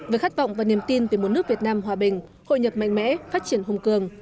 với khát vọng và niềm tin về một nước việt nam hòa bình hội nhập mạnh mẽ phát triển hùng cường